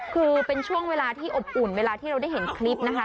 คือเป็นช่วงเวลาที่อบอุ่นเวลาที่เราได้เห็นคลิปนะคะ